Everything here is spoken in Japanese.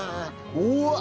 うわっ！